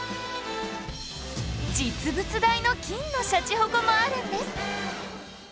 実物大の金のシャチホコもあるんです